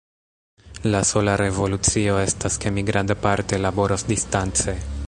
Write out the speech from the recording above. La sola revolucio estas, ke mi grandparte laboros distance.